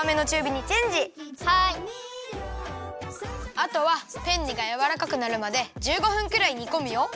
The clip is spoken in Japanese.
あとはペンネがやわらかくなるまで１５分くらいにこむよ。